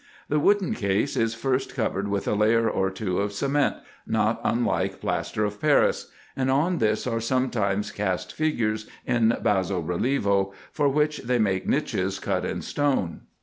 The wooden case is first covered with a layer or two of cement, not unlike plaster of Paris ; and on this are sometimes cast figures in basso relievo, for which they make niches cut in stone.